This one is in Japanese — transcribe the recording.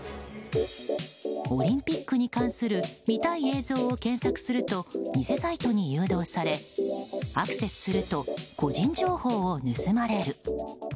オリンピックに関する見たい映像を検索すると偽サイトに誘導されアクセスすると個人情報を盗まれる。